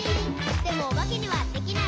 「でもおばけにはできない。」